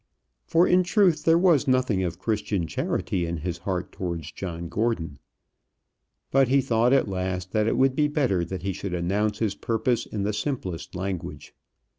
For in truth there was nothing of Christian charity in his heart towards John Gordon. But he thought at last that it would be better that he should announce his purpose in the simplest language.